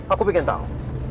aku ingin tahu